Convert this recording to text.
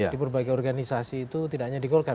di berbagai organisasi itu tidak hanya di golkar